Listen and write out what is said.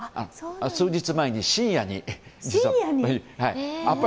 数日前に深夜に実は。